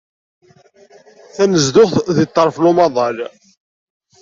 Tanezduɣt deg ḍḍerf n umaḍal.